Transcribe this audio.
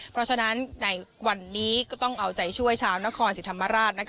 เพราะฉะนั้นในวันนี้ก็ต้องเอาใจช่วยชาวนครศรีธรรมราช